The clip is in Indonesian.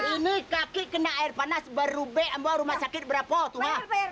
ini kaki kena air panas baru bea mba rumah sakit berapa tuh